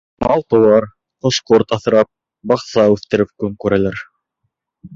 Мал-тыуар, ҡош-ҡорт аҫрап, баҡса үҫтереп көн күрәләр.